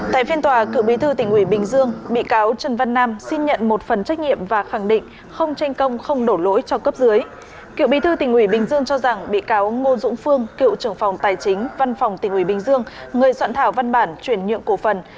tại phiên tòa cựu bí thư tỉnh ủy bình dương bị cáo trần văn nam xin nhận một phần trách nhiệm